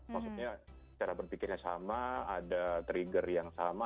maksudnya cara berpikirnya sama ada trigger yang sama